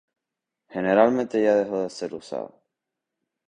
Generalmente ya dejó de ser usado.